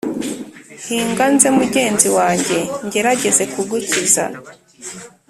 hinga nze mugenzi wanjye, ngerageze kugukiza.